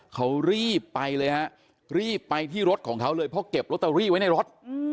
เขารีบไปเลยฮะรีบไปที่รถของเขาเลยเพราะเก็บลอตเตอรี่ไว้ในรถ